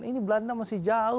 ini belanda masih jauh